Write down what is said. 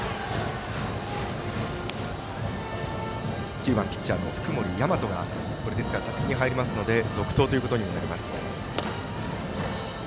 ９番ピッチャーの福盛大和が打席に入りますので続投ということになります。